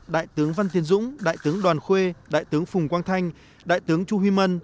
đại tướng văn tiến dũng đại tướng đoàn khuê đại tướng phùng quang thanh đại tướng chu huy mân